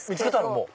もう。